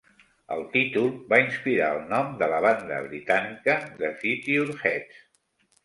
El títol va inspirar el nom de la banda britànica The Futureheads.